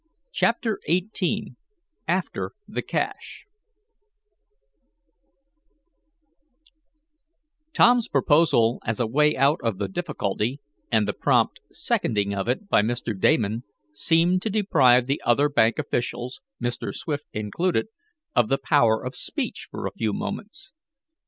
CHAPTER XVIII AFTER THE CASH Tom's proposal as a way out of the difficulty, and the prompt seconding of it by Mr. Damon, seemed to deprive the other bank officials, Mr. Swift included, of the power of speech for a few moments.